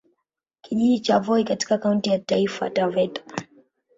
Kijiji cha Voi katika Kaunti ya Taifa Taveta